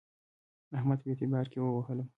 احمد په اعتبار کې ووهلم.